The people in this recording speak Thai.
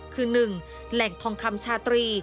คือ๑แหล่งทองคำชาตรี